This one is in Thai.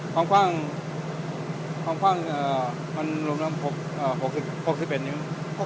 ความคว่างความคว่างมันรวมน้ำ๖๑นิ้ว